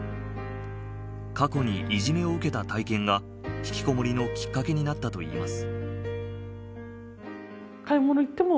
過去に、いじめを受けた体験がひきこもりのきっかけになったといいます。